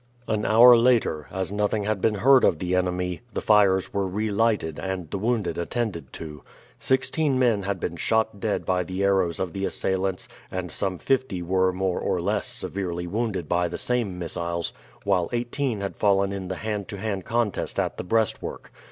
An hour later, as nothing had been heard of the enemy, the fires were relighted and the wounded attended to. Sixteen men had been shot dead by the arrows of the assailants and some fifty were more or less severely wounded by the same missiles, while eighteen had fallen in the hand to hand contest at the breastwork.